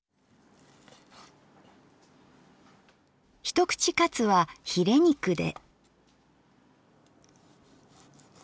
一口かつはヒレ肉で。